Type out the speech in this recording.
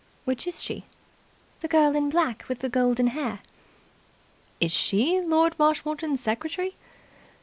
"Which is she?" "The girl in black with the golden hair." "Is she Lord Marshmoreton's secretary?"